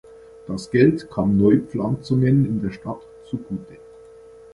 Das Geld kam Neupflanzungen in der Stadt zugute.